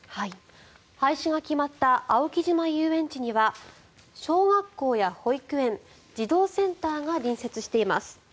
廃止が決まった青木島遊園地には小学校や保育園、児童センターが隣接しています。